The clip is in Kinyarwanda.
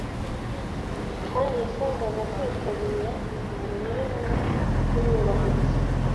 kandi yasabwaga kwitabira imihango yera no kuyubahiriza.